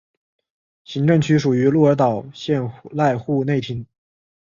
行政区属于鹿儿岛县濑户内町。